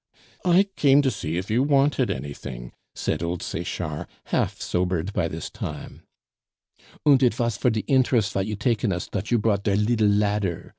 "I came to see if you wanted anything," said old Sechard, half sobered by this time. "Und it was for de inderest vot you take in us dot you brought der liddle ladder!"